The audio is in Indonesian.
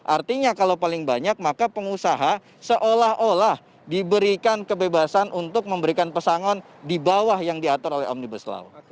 artinya kalau paling banyak maka pengusaha seolah olah diberikan kebebasan untuk memberikan pesangon di bawah yang diatur oleh omnibus law